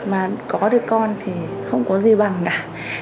mà có được con thì không có gì bằng cả